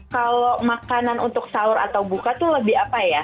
kalau makanan untuk sahur atau buka tuh lebih apa ya